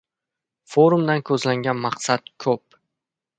Forumdan koʻzlangan maqsad ko`p.